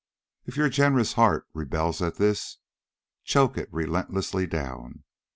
If your generous heart rebels at this, choke it relentlessly down.